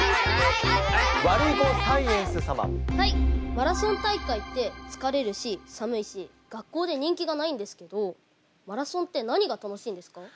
マラソン大会って疲れるし寒いし学校で人気がないんですけどマラソンって何が楽しいんですか？